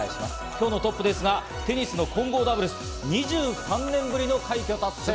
今日のトップですが、テニスの混合ダブルス、２３年ぶりの快挙達成！